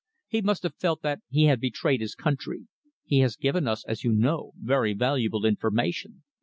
He must have felt that he had betrayed his country. He has given us, as you know, very valuable information.